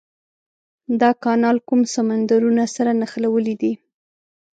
دا کانال کوم سمندرونه سره نښلولي دي؟